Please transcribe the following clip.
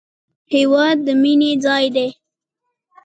هېواد د مینې ځای دی